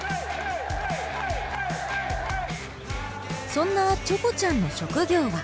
そんなちょこちゃんの職業は。